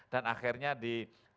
dan akhirnya di